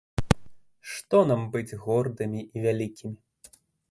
Што нам быць гордымі і вялікімі.